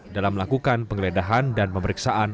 dalam melakukan penggeledahan dan pemeriksaan